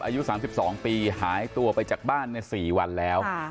อายุ๓๒ปีหายตัวไปจากบ้าน๔วันแล้ว